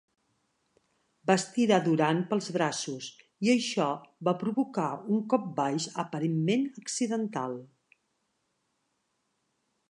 Va estirar Duran pels braços i això va provocar un cop baix aparentment accidental.